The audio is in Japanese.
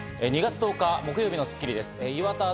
２月１０日、木曜日の『スッキリ』です。